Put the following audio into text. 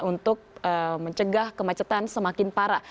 untuk mencegah kemacetan semakin parah